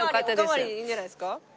おかわりいいんじゃないですか？